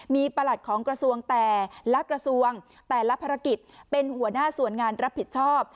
มีประหลัดของกระทรวงแต่ละกระทรวงแต่ละภารกิจเป็นหัวหน้าส่วนงานรับผิดชอบ